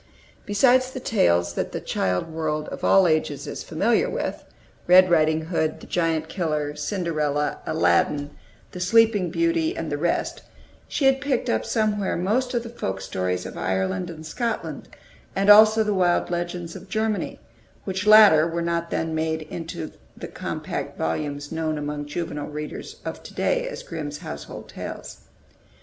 Besides the tales that the child world of all ages is familiar with, Red Riding Hood, the Giant Killer, Cinderella, Aladdin, the "Sleeping Beauty," and the rest, she had picked up somewhere most of the folk stories of Ireland and Scotland, and also the wild legends of Germany, which latter were not then made into the compact volumes known among juvenile readers of to day as Grimm's "Household Tales."